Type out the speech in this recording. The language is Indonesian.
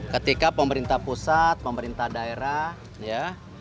ketika pemerintah pusat pemerintah daerah ya